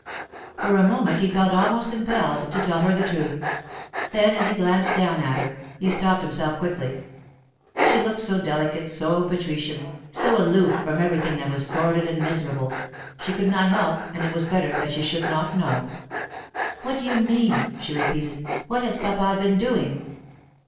For a moment he felt almost impelled to tell her the truth. Then, as he glanced down at her, he stopped himself quickly. She looked so delicate, so patrician, so aloof from everything that was sordid and miserable; she could not help, and it was better that she should not know. 'What do you mean?' she repeated. 'What has papa been doing?